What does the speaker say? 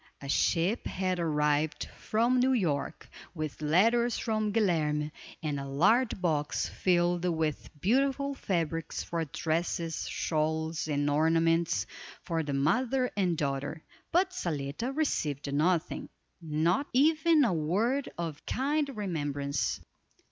A ship had arrived from New York, with letters from Guilerme, and a large box, filled with beautiful fabrics for dresses, shawls, and ornaments, for the mother and daughter; but Zaletta received nothing, not even a word of kind remembrance.